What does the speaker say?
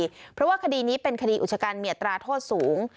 เพราะว่าคดีนี้เป็นคดีอุชกันมีอัตราโทษสูง